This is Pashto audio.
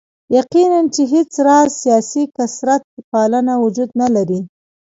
یقیناً چې هېڅ راز سیاسي کثرت پالنه وجود نه لري.